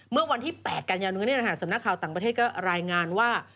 เมื่อวันที่๘กันยานู้นสำนักข่าวต่างประเทศก็รายงานว่า